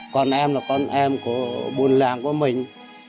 con em là con em của buôn làng của mình